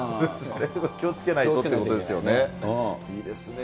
気をつけないとということですよね。